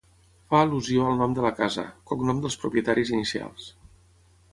Fa al·lusió al nom de la casa, cognom dels propietaris inicials.